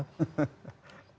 walau alam ya